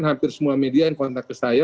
hampir semua media yang kontak ke saya